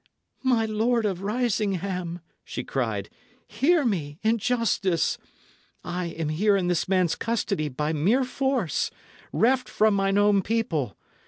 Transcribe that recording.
"My Lord of Risingham," she cried, "hear me, in justice. I am here in this man's custody by mere force, reft from mine own people.